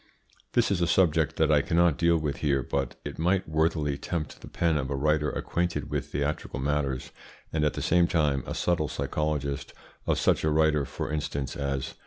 This is a subject that I cannot deal with here, but it might worthily tempt the pen of a writer acquainted with theatrical matters, and at the same time a subtle psychologist of such a writer, for instance, as M.